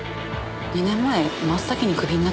２年前真っ先にクビになった役員よ。